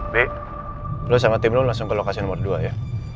b dulu sama tim lo langsung ke lokasi nomor dua ya